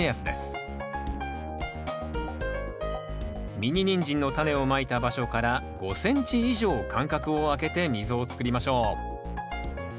ミニニンジンのタネをまいた場所から５ｃｍ以上間隔をあけて溝をつくりましょう。